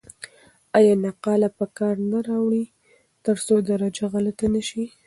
آیا نقاله په کار نه راوړئ ترڅو درجه غلطه نه سی؟